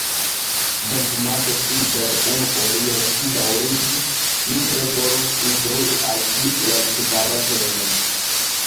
Ventumante sin per unu folio ŝi daŭrigis: "Mi tre volus instrui al ĝi lertfaraĵojn. »